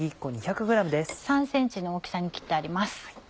３ｃｍの大きさに切ってあります。